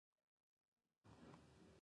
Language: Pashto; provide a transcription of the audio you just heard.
د مومن عقل او مربي و.